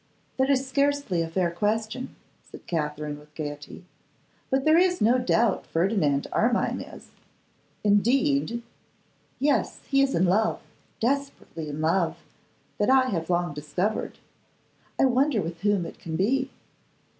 'That is scarcely a fair question,' said Katherine, with gaiety, 'but there is no doubt Ferdinand Armine is.' 'Indeed!' 'Yes; he is in love, desperately in love; that I have long discovered. I wonder with whom it can be!